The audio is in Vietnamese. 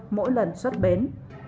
mỗi lần xuất bến